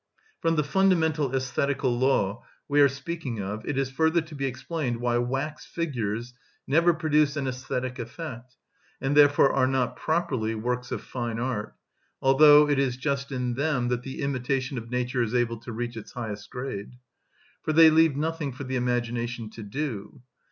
From the fundamental æsthetical law we are speaking of, it is further to be explained why wax figures never produce an æsthetic effect, and therefore are not properly works of fine art, although it is just in them that the imitation of nature is able to reach its highest grade. For they leave nothing for the imagination to do.